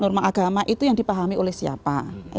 norma agama itu yang dipahami oleh siapa